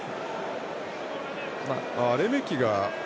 レメキが。